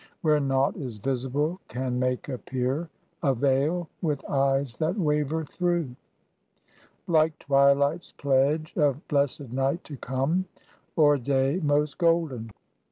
Where nought is visible can make appear A veil with eyes that waver through, Like twilight's pledge of blessed night to come, Or day most golden?